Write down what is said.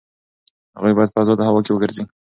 هغوی باید په ازاده هوا کې وګرځي.